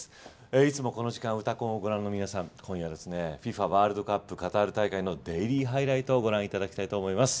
いつもこの時間「うたコン」をご覧の皆さん今夜はＦＩＦＡワールドカップカタール大会の「デイリーハイライト」をご覧いただきたいと思います。